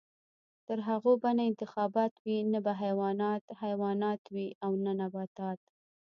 تر هغو به نه انتخابات وي، نه به حیوانات حیوانات وي او نه نباتات.